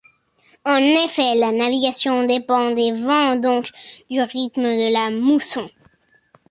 En effet, la navigation dépend des vents, donc du rythme de la mousson.